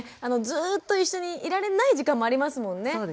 ずっと一緒にいられない時間もありますもんね。